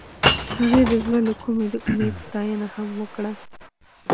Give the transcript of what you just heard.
هغې د زړه له کومې د امید ستاینه هم وکړه.